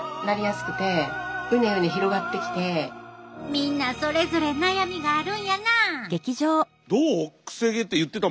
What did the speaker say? みんなそれぞれ悩みがあるんやな。